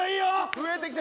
増えてきたよ！